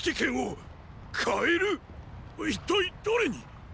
一体誰に⁉